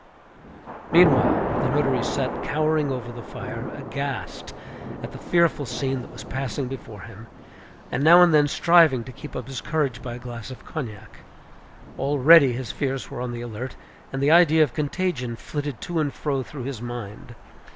Meanwhile the notary sat cowering over the fire, aghast at the fearful scene that was passing before him, and now and then striving to keep up his courage by a glass of cognac. Already his fears were on the alert; and the idea of contagion flitted to and fro through his mind.